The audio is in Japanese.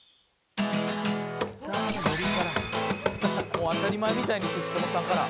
「もう当たり前みたいにテツトモさんから」